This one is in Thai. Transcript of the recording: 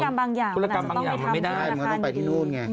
ธุรกรรมบางอย่างมันอาจจะต้องไปที่น่าคันอยู่ดีใช่มันก็ต้องไปที่นู่นไง